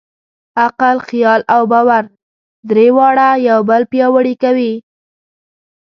عقل، خیال او باور؛ درې واړه یو بل پیاوړي کوي.